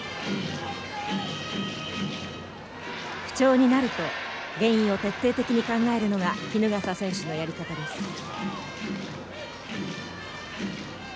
不調になると原因を徹底的に考えるのが衣笠選手のやり方です。